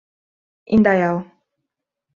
Indaial